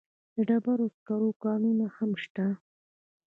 د ډبرو سکرو کانونه هم شته.